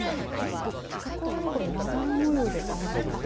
ところどころ、まだら模様で雨ですね。